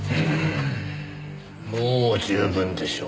もう十分でしょう。